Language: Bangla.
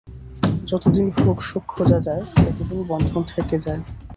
যতদিন ভোগসুখ খোঁজা যায়, ততদিন বন্ধন থেকে যায়।